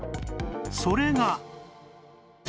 それが